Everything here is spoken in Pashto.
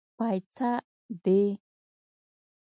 پايڅۀ دې.